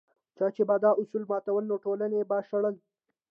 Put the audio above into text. چې چا به دا اصول ماتول نو ټولنې به شړل.